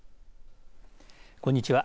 こんにちは。